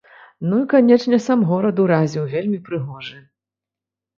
Ну і канечне, сам горад уразіў, вельмі прыгожы.